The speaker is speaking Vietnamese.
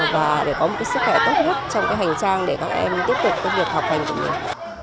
và để có một sức khỏe tốt nhất trong hành trang để các em tiếp tục có việc học hành tự nhiên